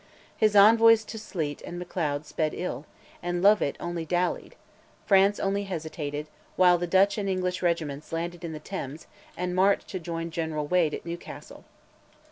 His envoys to Sleat and Macleod sped ill, and Lovat only dallied, France only hesitated, while Dutch and English regiments landed in the Thames and marched to join General Wade at Newcastle.